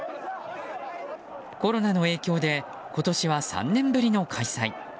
コロナの影響で今年は３年ぶりの開催。